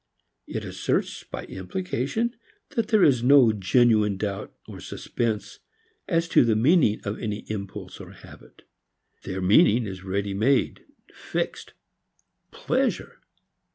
It asserts by implication that there is no genuine doubt or suspense as to the meaning of any impulse or habit. Their meaning is ready made, fixed: pleasure.